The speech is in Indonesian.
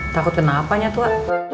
takut kenapa nyatua